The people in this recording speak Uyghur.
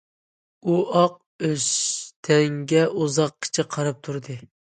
ئۇ ئاق ئۆستەڭگە ئۇزاققىچە قاراپ تۇردى.